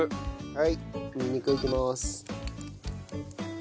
はい。